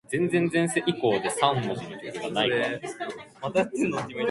The hospital is currently accredited as a Level One trauma center and stroke center.